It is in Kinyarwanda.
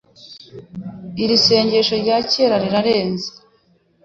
Iri sengesho rya kera rira renze.